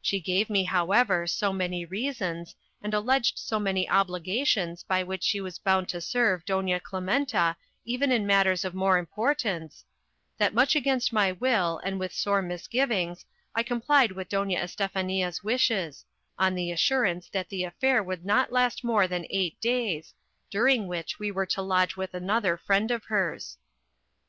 She gave me, however, so many reasons, and alleged so many obligations by which she was bound to serve Doña Clementa even in matters of more importance, that much against my will, and with sore misgivings, I complied with Doña Estefania's wishes, on the assurance that the affair would not last more than eight days, during which we were to lodge with another friend of hers.